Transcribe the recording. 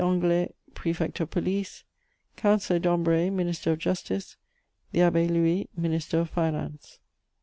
Anglès, Prefect of Police; Councillor Dambray, Minister of Justice; the Abbé Louis, Minister of Finance.